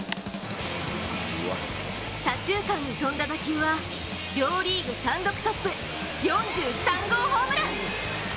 左中間に飛んだ打球は両リーグ単独トップ４３号ホームラン。